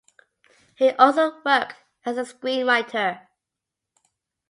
He also worked as a screenwriter.